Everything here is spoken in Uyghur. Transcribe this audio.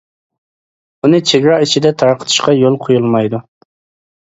ئۇنى چېگرا ئىچىدە تارقىتىشقا يول قويۇلمايدۇ.